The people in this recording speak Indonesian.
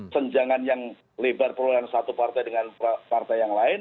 senjangan yang lebar perolehan satu partai dengan partai yang lain